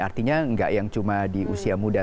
artinya nggak yang cuma di usia muda